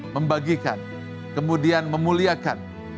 membagikan kemudian memuliakan